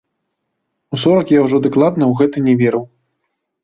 У сорак я ўжо дакладна ў гэта не верыў.